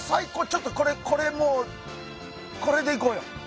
ちょっとこれこれもうこれでいこうよ！